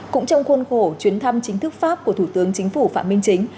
cũng trong khuôn khổ chuyến thăm chính thức pháp của thủ tướng chính phủ phạm minh chính